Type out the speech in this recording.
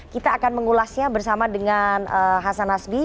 kita akan mengulasnya bersama dengan hasan nasbi